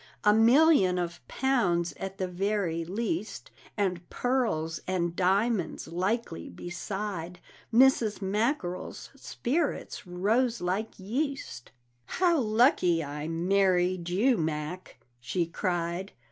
A million of pounds, at the very least, And pearls and diamonds, likely, beside!" Mrs. Mackerel's spirits rose like yeast "How lucky I married you, Mac," she cried.